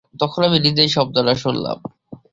তখন আমি নিজেই শব্দটা শুনলাম।